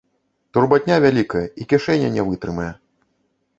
Турбатня вялікая, і кішэня не вытрымае.